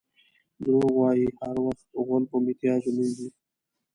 دروغ وایي؛ هر وخت غول په میتیازو مینځي.